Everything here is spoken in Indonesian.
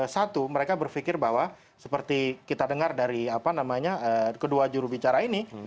satu mereka berpikir bahwa seperti kita dengar dari kedua jurubicara ini